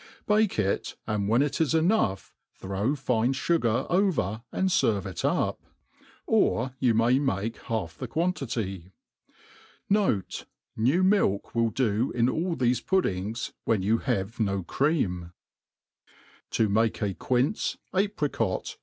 Bake it, and when it is enough, throw fine fugar oVer and ftrve it up. 0(f you may make half tbb quantity. Note, nevir milk will do in all thefe puddings,* when ybil have ho cream. *' To maki a ^ince^ Jpricot.